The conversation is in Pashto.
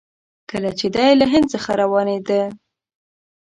کله چې دی له هند څخه روانېده.